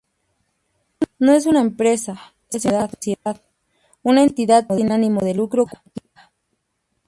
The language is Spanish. No es una empresa, una sociedad, una entidad sin ánimo de lucro cualquiera.